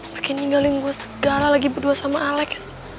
pake ninggalin gue segala lagi berdua sama alex